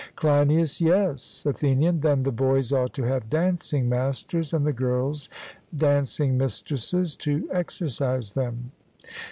CLEINIAS: Yes. ATHENIAN: Then the boys ought to have dancing masters, and the girls dancing mistresses to exercise them.